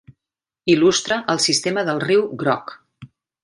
Il·lustra el sistema del riu Groc.